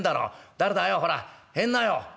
誰だよほら入んなよ。